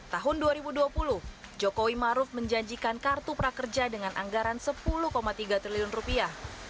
tahun dua ribu dua puluh jokowi maruf menjanjikan kartu prakerja dengan anggaran sepuluh tiga triliun rupiah